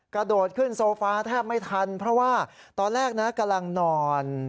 กระโดดขึ้นโซฟาแทบไม่ทันเพราะว่าตอนแรกนะกำลังนอน